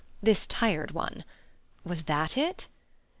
This tired one. Was that it?